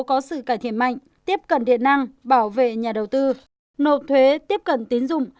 có sự cải thiện mạnh tiếp cận điện năng bảo vệ nhà đầu tư nộp thuế tiếp cận tín dụng